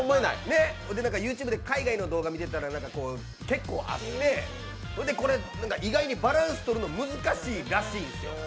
ＹｏｕＴｕｂｅで海外の動画とか見てたら結構あって、それでこれ意外にバランスとるの難しいらしいんですよ。